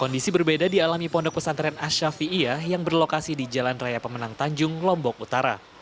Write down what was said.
kondisi berbeda di alami pondok pesantren asyafi iyah yang berlokasi di jalan raya pemenang tanjung lombok utara